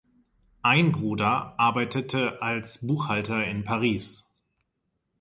Ein Bruder arbeitete als Buchhalter in Paris.